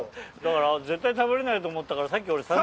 だから絶対食べれないと思ったからさっき俺。